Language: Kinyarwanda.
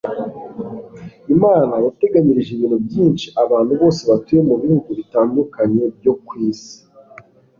imana yateganyirije ibintu byinshi abantu bose batuye mu bihugu bitandukanye byo ku isi